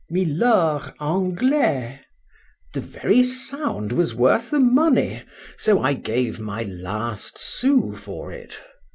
Milord Anglois—the very sound was worth the money;—so I gave my last sous for it.